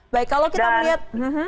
baik kalau kita melihat